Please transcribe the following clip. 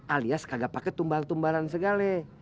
alias kagak pake tumbang tumbangan segala